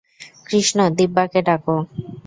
কৃষ্ণ, দিব্যাকে ডাক।